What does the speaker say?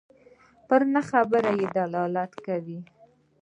پر ناخبرۍ دلالت کوي.